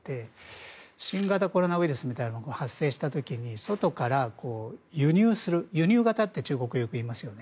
新型コロナウイルスみたいなものが発生した時に外から輸入する、輸入型と中国はよく言いますよね。